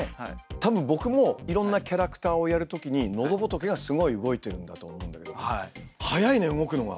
たぶん僕もいろんなキャラクターをやるときにのどぼとけがすごい動いてるんだと思うんだけど速いね動くのが！